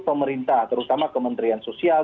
pemerintah terutama kementerian sosial